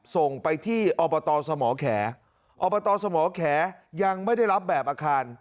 ส่งไปที่อบตสมแขมอบตสมแขยังไม่ได้รับแบบอาคาร